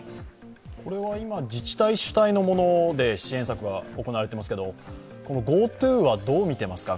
今、自治体主体のもので支援策が行われていますけれどもＧｏＴｏはどう見てますか。